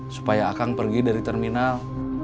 supaya akan pergi dari terminal